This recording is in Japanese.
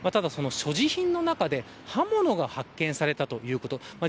所持品の中で刃物が発見されたということです。